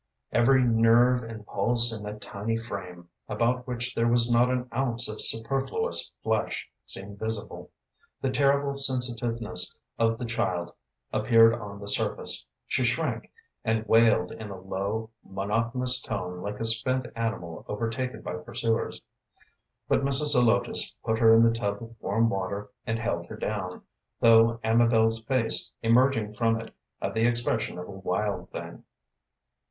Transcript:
Every nerve and pulse in that tiny frame, about which there was not an ounce of superfluous flesh, seemed visible. The terrible sensitiveness of the child appeared on the surface. She shrank, and wailed in a low, monotonous tone like a spent animal overtaken by pursuers. But Mrs. Zelotes put her in the tub of warm water, and held her down, though Amabel's face, emerging from it, had the expression of a wild thing.